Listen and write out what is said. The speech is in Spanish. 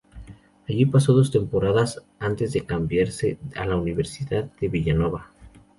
Allí pasó dos temporadas antes de cambiarse a la Universidad de Villanova.